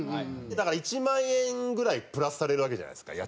だから１万円ぐらいプラスされるわけじゃないですか